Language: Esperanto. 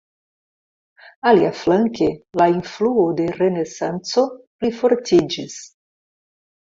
Aliaflanke la influo de renesanco plifortiĝis.